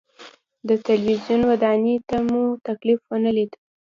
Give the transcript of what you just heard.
د تلویزیون ودانۍ ته مو تکلیف ونه لید.